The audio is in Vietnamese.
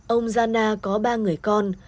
ông gianna có ba người con